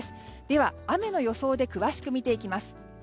では、雨の予想で詳しく見ていきます。